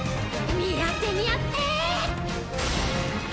見合って見合って。